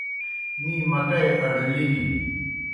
می مکئی اڙلِلِن۔